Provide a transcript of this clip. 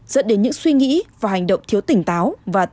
dẫn đến những suy nghĩ và hành động thiếu tỉnh táo và